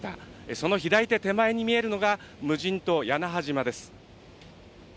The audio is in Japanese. その左手手前に見えるのが無人島、屋那覇島です。